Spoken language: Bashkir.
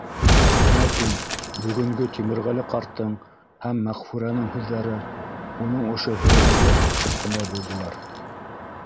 Ләкин бөгөнгө Тимерғәле ҡарттың һәм Мәғфүрәнең һүҙҙәре уның ошо һерелеген ҡаҡшатҡандай булдылар.